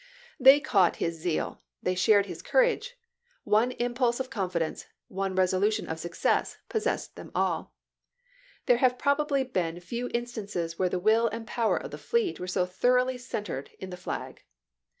They caught his zeal ; they shared his courage. One impulse of confidence, one resolution of success, possessed them all. There farragut's victory 259 have probably been few instances where the will and the power of the fleet were so thoroughly centered in the flag.